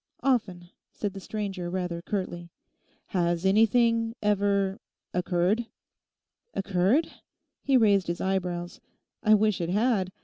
'Often,' said the stranger rather curtly. 'Has anything—ever—occurred?' '"Occurred?"' He raised his eyebrows. 'I wish it had.